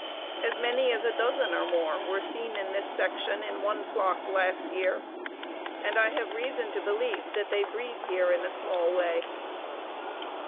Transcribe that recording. As many as a dozen or more were seen in this section in one flock last year, and I have reason to believe that they breed here in a small way.